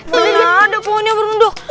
mana ada pohonnya merunduk